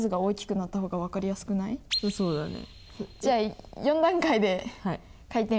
そうだね。